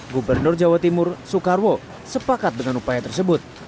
gubernur jawa timur soekarwo sepakat dengan upaya tersebut